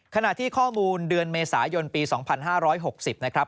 ขณะที่ข้อมูลเดือนเมษายนปี๒๕๖๐นะครับ